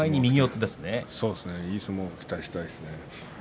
いい相撲を期待したいですね。